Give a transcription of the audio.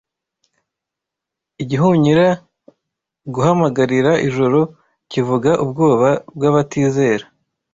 Igihunyira guhamagarira Ijoro kivuga ubwoba bw'abatizera